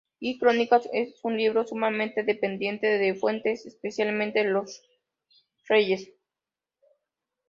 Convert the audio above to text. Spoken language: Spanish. I Crónicas es un libro sumamente dependiente de sus fuentes, especialmente los Reyes.